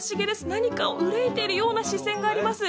何かを憂いてるような視線があります